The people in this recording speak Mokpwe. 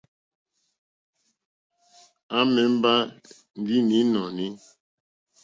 À mɛ̀ mbá ndí nǐ nɔ̀ní.